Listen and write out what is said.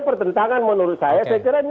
pertentangan menurut saya saya kira ini